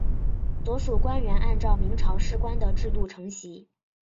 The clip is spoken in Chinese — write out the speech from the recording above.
所属官员按照明朝土官的制度承袭。